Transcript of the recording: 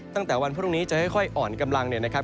ตั้งแต่วันพรุ่งนี้จะค่อยอ่อนกำลังเนี่ยนะครับ